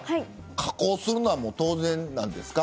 加工するのは当然なんですか。